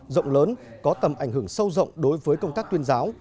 rộng lớn có tầm ảnh hưởng sâu rộng đối với công tác tuyên giáo